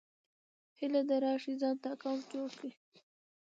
هيله ده راشٸ ځانته اکونټ جوړ کړى